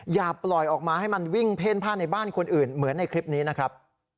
อย่าปล่อยออกมาให้มันวิ่งเพ่นผ้าในบ้านคนอื่นเหมือนในคลิปนี้นะครับ